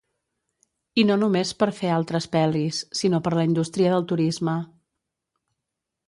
I no només per fer altres pel·lis, sinó per la indústria del turisme.